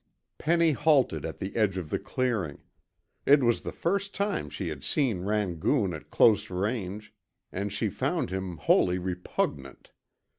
Penny halted at the edge of the clearing. It was the first time she had seen Rangoon at close range, and she found him wholly repugnant.